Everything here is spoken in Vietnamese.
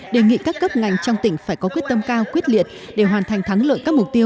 đề nghị các cấp ngành trong tỉnh phải có quyết tâm cao quyết liệt để hoàn thành thắng lợi các mục tiêu